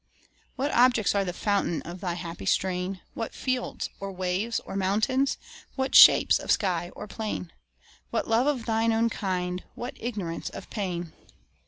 What objects are the fountains Of thy happy strain? What fields, or waves, or mountains? What shapes of sky or plain? What love of thine own kind? what ignorance of pain?